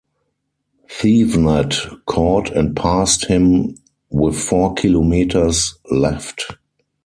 Thevenet caught and passed him with four kilometers left.